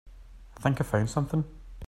I think I found something.